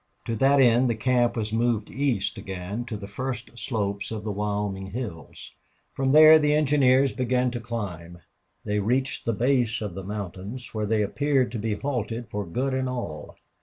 To that end the camp was moved east again to the first slopes of the Wyoming hills; from there the engineers began to climb. They reached the base of the mountains, where they appeared to be halted for good and all.